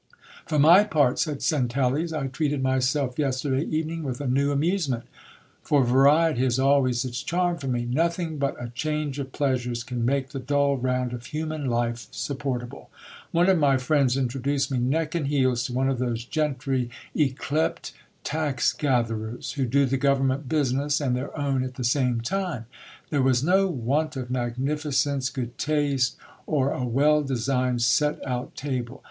J For my part, 1 said Centelles,'T treated myself yesterday evening with a new amusement ; fo~ variety has always its charms for me. Nothing but a change YOUNG NOBLEMEN AND THEIR SERVANTS. 87 of pleasures can make the dull round of human life supportable. One of my friends introduced me neck and heels to one of those gentry ycleped tax gather ers, who do the government business and their own at the same time. There was no want of magnificence, good taste, or a well designed set out table